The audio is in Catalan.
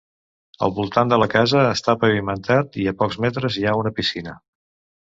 El voltant de la casa està pavimentat i a pocs metres hi ha una piscina.